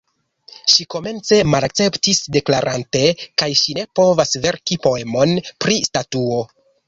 Ŝi komence malakceptis, deklarante ke ŝi ne povas verki poemon pri statuo.